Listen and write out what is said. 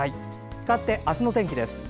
かわって明日の天気です。